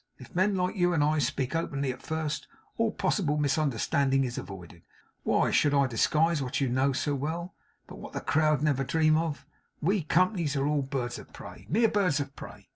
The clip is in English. If men like you and I speak openly at first, all possible misunderstanding is avoided. Why should I disguise what you know so well, but what the crowd never dream of? We companies are all birds of prey; mere birds of prey.